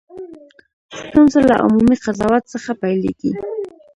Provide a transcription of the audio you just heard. ستونزه له عمومي قضاوت څخه پیلېږي.